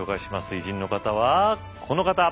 偉人の方はこの方。